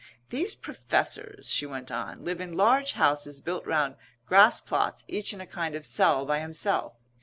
These Professors," she went on, "live in large houses built round grass plots each in a kind of cell by himself.